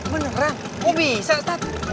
beneran kok bisa ustadz